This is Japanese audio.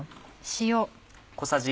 塩。